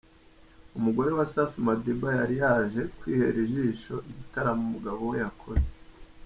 Umugore wa safi Madiba yari yaje kwihera ijisho igitaramo umugabo we yakoze .